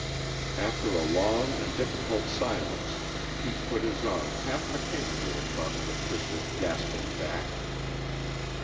After a long and difficult silence Pete put his arm half mechanically across the twisted, gasping back.